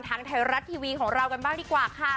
ทางไทยรัฐทีวีของเรากันบ้างดีกว่าค่ะ